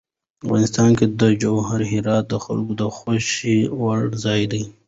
افغانستان کې جواهرات د خلکو د خوښې وړ ځای دی.